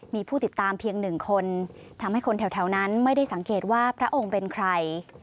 มีผู้ติดตามเพียงหนึ่งคนทำให้คนแถวนั้นไม่ได้สังเกตว่าพระองค์เป็นใคร